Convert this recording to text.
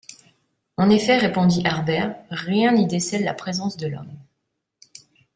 En effet, répondit Harbert, rien n’y décèle la présence de l’homme.